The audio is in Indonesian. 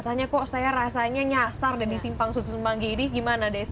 tanya kok saya rasanya nyasar dari simpang susun semanggi ini gimana desy